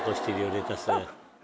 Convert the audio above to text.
レタス。